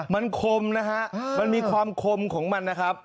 มันคมนะฮะมันมีความคมของมันนะครับ